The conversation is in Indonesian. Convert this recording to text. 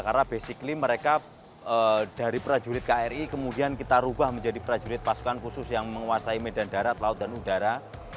karena basically mereka dari prajurit kri kemudian kita ubah menjadi prajurit pasukan khusus yang menguasai medan darat laut dan udara